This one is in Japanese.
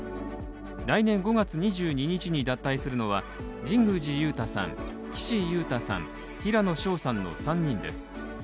来年５月２２日に脱退するのは神宮寺勇太さん、岸優太さん、平野紫耀さんの３人です。